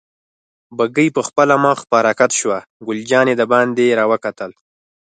بګۍ پخپله مخ په حرکت شوه، ګل جانې دباندې را وکتل.